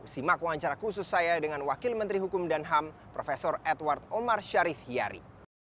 simak wawancara khusus saya dengan wakil menteri hukum dan ham prof edward omar syarif hiyari